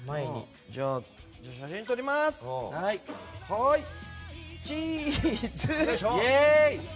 はい、チーズ！